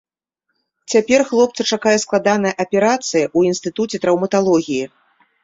Цяпер хлопца чакае складаная аперацыя ў інстытуце траўматалогіі.